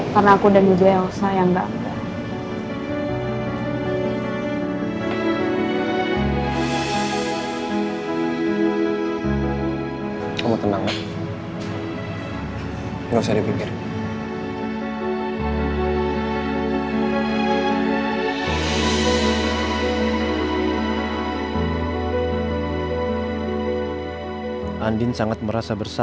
karena aku dan nidja yang usah yang gak amat